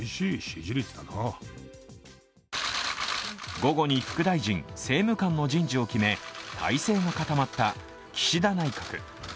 午後に副大臣・政務官の人事を決め体制が固まった岸田内閣。